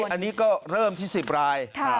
อันนี้ก็เริ่มที่๑๐ราย